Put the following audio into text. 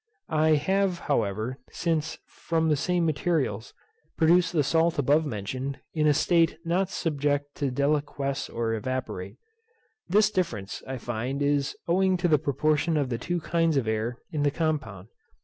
I have, however, since, from the same materials, produced the salt above mentioned in a state not subject to deliquesce or evaporate. This difference, I find, is owing to the proportion of the two kinds of air in the compound.